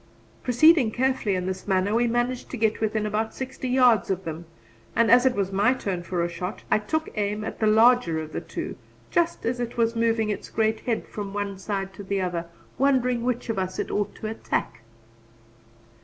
Proceeding carefully in this manner, we managed to get within about sixty yards of them, and as it was my turn for a shot, I took aim at the larger of the two, just as it was moving its great head from one side to the other, wondering which of us it ought to attack.